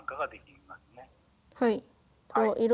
はい。